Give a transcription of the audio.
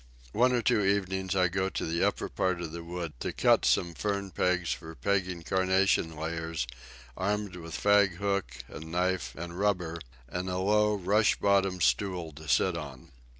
One or two evenings I go to the upper part of the wood to cut some fern pegs for pegging Carnation layers, armed with fag hook and knife and rubber, and a low rush bottomed stool to sit on.